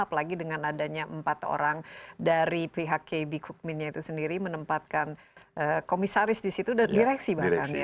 apalagi dengan adanya empat orang dari pihak kb kukminnya itu sendiri menempatkan komisaris di situ dan direksi bahkan ya